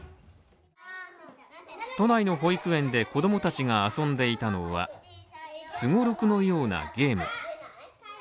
都内の保育園で子供たちが遊んでいたのはすごろくのようなゲーム。